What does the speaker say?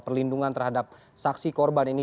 perlindungan terhadap saksi korban ini